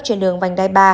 trên đường vành đai ba